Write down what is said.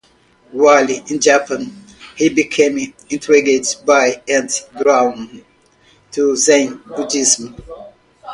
While in Japan he became intrigued by and drawn to Zen Buddhism.